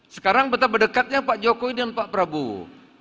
sekarang betapa dekatnya pak jokowi dan pak prabowo